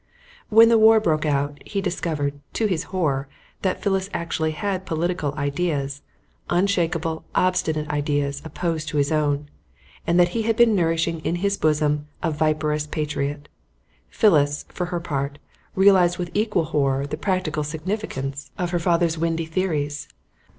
When the war broke out, he discovered, to his horror, that Phyllis actually had political ideas unshakable, obstinate ideas opposed to his own and that he had been nourishing in his bosom a viperous patriot. Phyllis, for her part, realised with equal horror the practical significance of her father's windy theories.